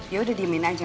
ya udah diemin aja